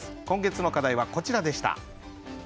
今月の課題はこちらでした。